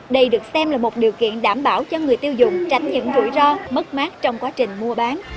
đây được xem là một điều kiện đảm bảo cho người tiêu dùng tránh những rủi ro mất mát trong quá trình mua bán